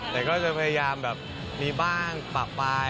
แต่ก็จะพยายามแบบมีบ้างปากปลาย